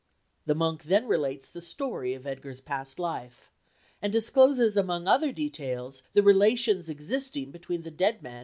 The monk then relates the story of Edgar's past life, and discloses among other details the relations existing between the dead man and Tigrana.